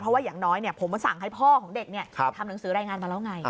เพราะว่าอย่างน้อยผมสั่งให้พ่อของเด็กทำหนังสือรายงานมาแล้วไง